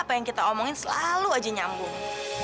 apa yang kita omongin selalu aja nyambung